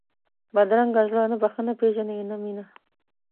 بدرنګه زړه نه بښنه پېژني نه مینه